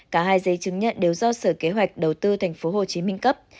cả hai giấy chứng nhận đều do sở kế hoạch đầu tư tp hcm cấp